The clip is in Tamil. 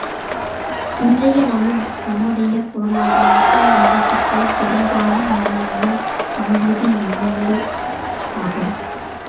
இன்றைய நம்முடைய பொருளாதாரத்தில் உள்ள சிக்கல் பெரும்பாலும் முறையான பங்கீடு இன்மையே யாகும்.